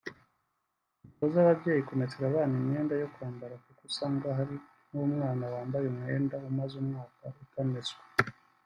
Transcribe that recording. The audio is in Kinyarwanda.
Dutoze ababyeyi kumesera abana imyenda yo kwambara kuko usanga hari nk’umwana wambaye umwenda umaze umwaka utameswa